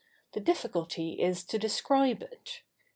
The difficulty is to describe it.